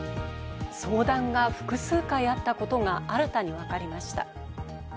相談が複数回あったことが新たにわかりました。